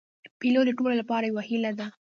پیلوټ د ټولو لپاره یو هیله ده.